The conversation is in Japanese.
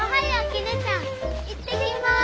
行ってきます。